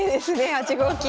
８五金。